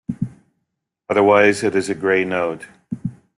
Otherwise it is a grey node.